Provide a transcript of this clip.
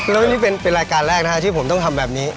แล้วนี่เป็นรายการแรกนะฮะที่ผมต้องทำแบบนี้